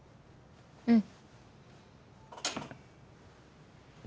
うん。